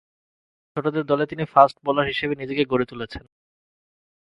ছোটদের দলে তিনি ফাস্ট বোলার হিসেবে নিজেকে গড়ে তুলেছিলেন।